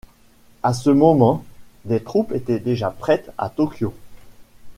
À ce moment, des troupes étaient déjà prêtes à Tokyo.